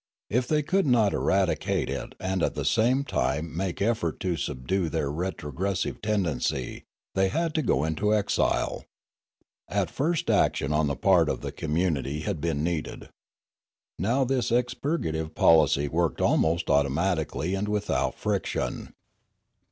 If they could not eradi cate it and at the same time make effort to subdue their retrogressive tendency, they had to go into exile. At first action on the part of the community had been needed. Now this expurgative policy worked almost automatically and without friction.